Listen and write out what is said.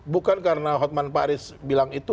bukan karena hotman faris bilang itu